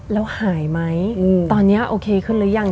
แล้วหายไหมตอนนี้โอเคขึ้นหรือยัง